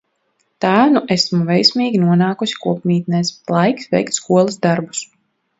Tā nu esmu veiksmīgi nonākusi kopmītnēs. Laiks veikt skolas darbus!